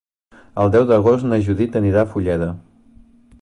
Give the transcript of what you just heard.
El deu d'agost na Judit anirà a Fulleda.